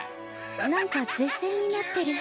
なんか舌戦になってる。